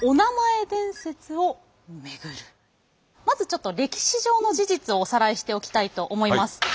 まずちょっと歴史上の事実をおさらいしておきたいと思います。